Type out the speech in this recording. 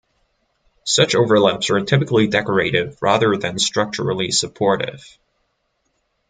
Such overlaps are typically decorative rather than structurally supportive.